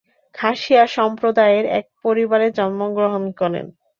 খাসিয়া সম্প্রদায়ের এক পরিবারে জন্মগ্রহণ করেন।